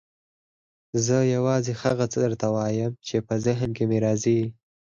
زه یوازې هغه څه درته وایم چې په ذهن کې مې راځي.